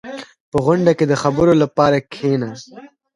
• په غونډه کې د خبرو لپاره کښېنه.